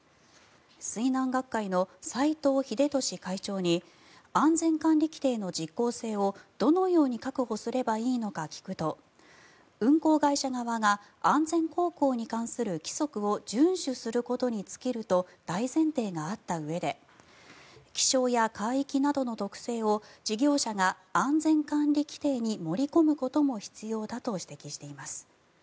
水難学会の斎藤秀俊会長に安全管理規程の実効性をどのように確保すればいいのか聞くと運航会社側が安全航行に関する規則を順守することに尽きると大前提があったうえで気象や海域などの特性を事業者が安全管理規程に盛り込むことも必要だと指摘しています。